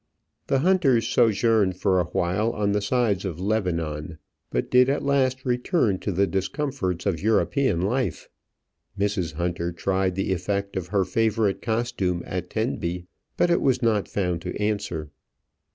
The Hunters sojourned for awhile on the sides of Lebanon, but did at last return to the discomforts of European life. Mrs. Hunter tried the effect of her favourite costume at Tenby, but it was not found to answer.